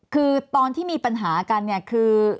คือตอนที่มีปัญหากันคือ